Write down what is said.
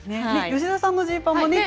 吉田さんのジーンズもね。